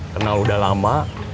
kenal udah lama